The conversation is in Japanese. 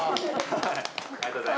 ◆はい。